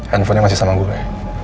handphonenya masih sama gue